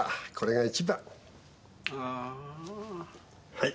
はい。